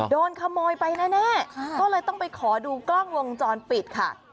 โดนขโมยไปแน่ก็เลยต้องไปขอดูกล้องวงจรปิดค่ะ